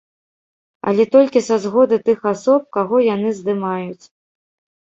Але толькі са згоды тых асоб, каго яны здымаюць.